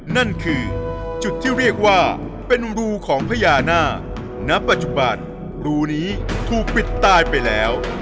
นั่นคือจุดที่เรียกว่าเป็นรูของพญานาคณปัจจุบันรูนี้ถูกปิดตายไปแล้ว